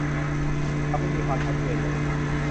กับไม่มีความชัดเจนเลย